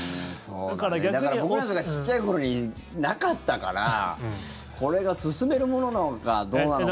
だから僕らが小っちゃい頃になかったからこれが勧めるものなのかどうなのか。